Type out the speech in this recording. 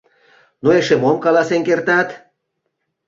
— Ну, эше мом каласен кертат?